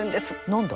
何だ？